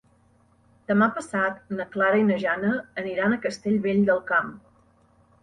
Demà passat na Clara i na Jana aniran a Castellvell del Camp.